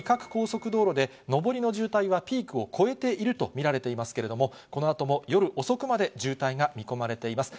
上りの渋滞はピークを越えていると見られていますけれども、このあとも夜遅くまで渋滞が見込まれています。